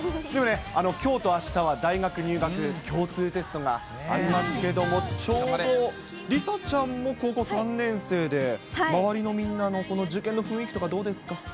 でもね、きょうとあしたは大学入学共通テストがありますけれども、ちょうど梨紗ちゃんも高校３年生で、周りのみんなの受験の雰囲気とか、どうですか？